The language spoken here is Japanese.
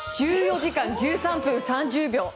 １４時間１３分３０秒。